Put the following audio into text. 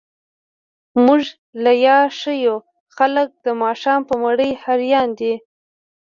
موږ ليا ښه يو، خلګ د ماښام په مړۍ هريان دي.